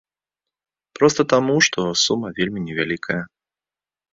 Проста таму, што сума вельмі невялікая.